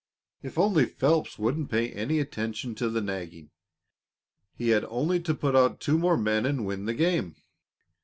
If only Phelps wouldn't pay any attention to the nagging! He had only to put out two more men and win the game.